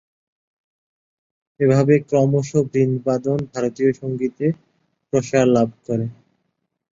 এভাবে ক্রমশ বৃন্দবাদন ভারতীয় সঙ্গীতে প্রসার লাভ করে।